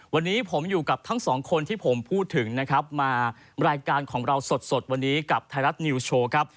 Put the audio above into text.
วันนี้ผมอยู่กับทั้งสองคนที่ผมพูดถึงนะครับมารายการของเราสดวันนี้กับไทยรัฐนิวโชว์ครับ